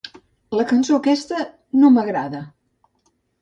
La cançó aquesta no m'agrada.